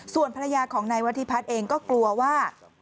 ส่วนภรรยาของนายวัฒิพัฒน์เองก็กลัวว่า